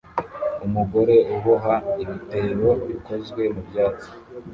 Umugore uboha ibitebo bikozwe mubyatsi